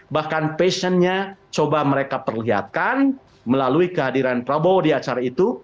bahkan passionnya coba mereka perlihatkan melalui kehadiran prabowo di acara itu